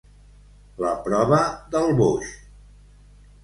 La prova del boix.